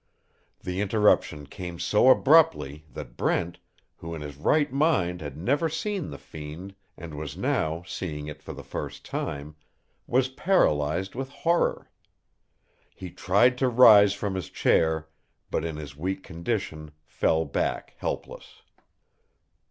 The interruption came so abruptly that Brent, who in his right mind had never seen the fiend and was now seeing it for the first time, was paralyzed with horror. He tried to rise from his chair, but in his weak condition fell back, helpless.